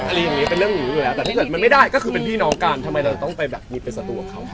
อะไรอย่างนี้เป็นเรื่องนี้อยู่แล้วแต่ถ้าเกิดมันไม่ได้ก็คือเป็นพี่น้องกันทำไมเราต้องไปแบบมีเป็นศัตรูกับเขา